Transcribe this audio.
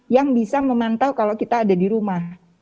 yang bisa memantau kalau kita ada di rumah